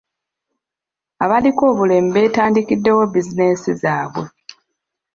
Abaliko obulemu beetandikiddewo bizinensi zaabwe.